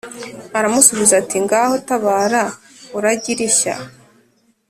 Aramusubiza ati “Ngaho tabara uragira ishya